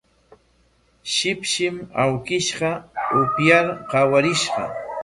Shipshim awkishqa upyar qallarishqa